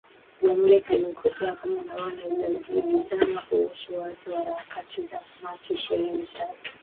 Jamhuri ya Kidemokrasia ya Kongo na Rwanda zajibizana kuhusu waasi wa Harakati za Machi ishirini na tatu